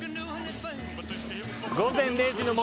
「午前０時の森」